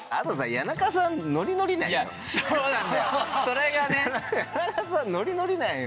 谷中さんノリノリなんよ。